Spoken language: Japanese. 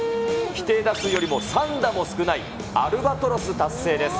規定打数よりも３打も少ないアルバトロス達成です。